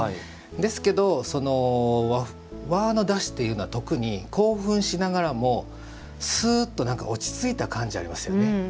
ですけど、和のだしというのは特に興奮しながらもすうっと落ち着いた感じがありますよね。